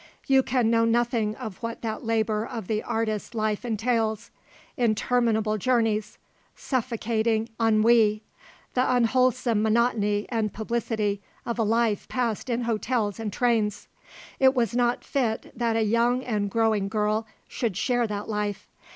You can know nothing of what that labour of the artist's life entails, interminable journeys, suffocating ennui, the unwholesome monotony and publicity of a life passed in hotels and trains. It was not fit that a young and growing girl should share that life.